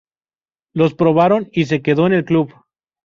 Lo probaron y se quedó en el club.